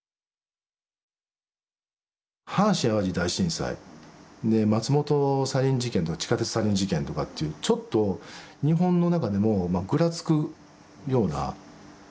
阪神・淡路大震災で松本サリン事件と地下鉄サリン事件とかっていうちょっと日本の中でもぐらつくような普通じゃおれないなっていうふうな感じ。